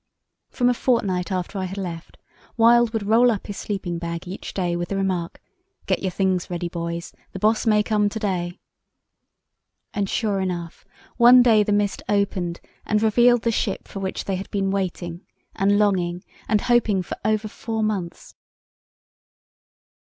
From a fortnight after I had left, Wild would roll up his sleeping bag each day with the remark, "Get your things ready, boys, the Boss may come to day." And sure enough, one day the mist opened and revealed the ship for which they had been waiting and longing and hoping for over four months.